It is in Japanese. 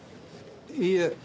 いいえ。